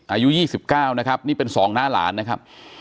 อายุยี่สิบเก้านะครับนี่เป็นสองหน้าหลานนะครับ